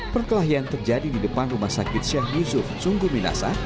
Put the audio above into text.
perkelahian terjadi di depan rumah sakit sheikh yusuf sungguh minasa